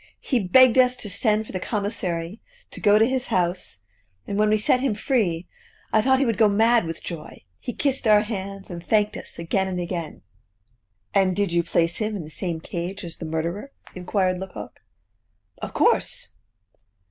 He begged us to send for the commissary, to go to his house, and when we set him free, I thought he would go mad with joy; he kissed our hands, and thanked us again and again!" "And did you place him in the same cage as the murderer?" inquired Lecoq. "Of course."